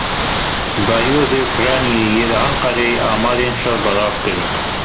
Balyozê Ukraynayê yê li Enqereyê amarên şer belav kirin.